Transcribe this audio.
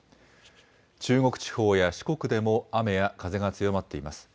中国地方や四国でも雨や風が強まっています。